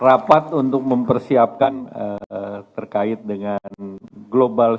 rapat untuk mempersiapkan terkait dengan global